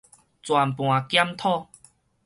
全盤檢討